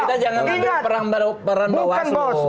kita jangan duduk peran bawaslu